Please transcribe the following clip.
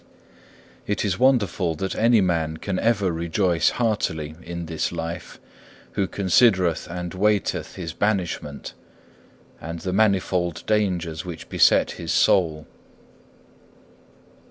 It is wonderful that any man can ever rejoice heartily in this life who considereth and weigheth his banishment, and the manifold dangers which beset his soul.